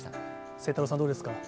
晴太郎さん、どうですか？